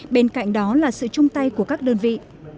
bên cạnh đó là sự chung tay của các đơn vị